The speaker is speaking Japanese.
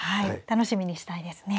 楽しみにしたいですね。